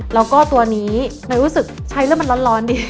แล้วก็ตัวนี้เนยรู้สึกใช้แล้วมันร้อนดี